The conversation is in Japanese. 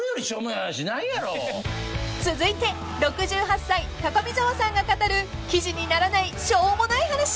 ［続いて６８歳高見沢さんが語る記事にならないしょうもない話］